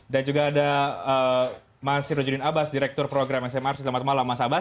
dan juga ada mas sirujudin abas direktur program smr selamat malam mas abas